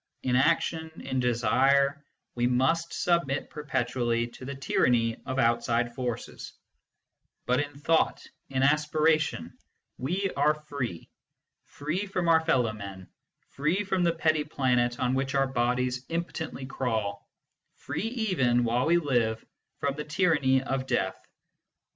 In action, in desire, we must submit perpetually to the tyranny of outside forces j/ but in thought, in aspiration, we are free, free from our fellow men, free from the petty planet on which our bodies impotently crawl, free even, while we live, from the tyranny of death.